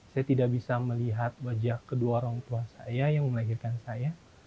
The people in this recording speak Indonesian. saya tidak bisa melihat wajah kedua orang tua saya yang melahirkan saya